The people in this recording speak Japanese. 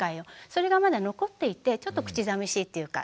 それがまだ残っていてちょっと口寂しいというか